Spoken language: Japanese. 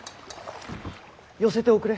寄せておくれ。